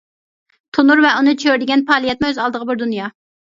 تونۇر ۋە ئۇنى چۆرىدىگەن پائالىيەتمۇ ئۆز ئالدىغا بىر دۇنيا.